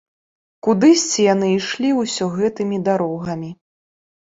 Кудысьці яны ішлі ўсё гэтымі дарогамі.